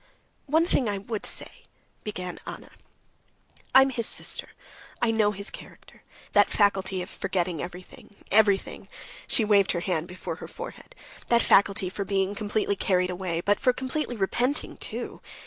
"One thing I would say," began Anna. "I am his sister, I know his character, that faculty of forgetting everything, everything" (she waved her hand before her forehead), "that faculty for being completely carried away, but for completely repenting too.